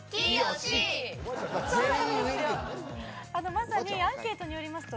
まさにアンケートによりますと。